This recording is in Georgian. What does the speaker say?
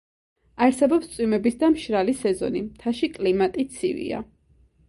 არსებობს წვიმების და მშრალი სეზონი, მთაში კლიმატი ცივია.